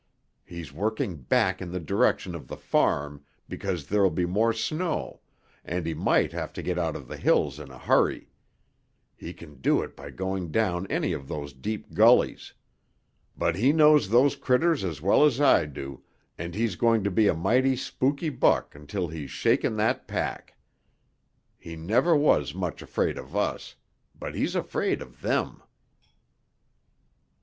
He's working back in the direction of the farm because there'll be more snow and he might have to get out of the hills in a hurry; he can do it by going down any of those deep gullys. But he knows those critters as well as I do, and he's going to be a mighty spooky buck until he's shaken that pack. He never was much afraid of us. But he's afraid of them."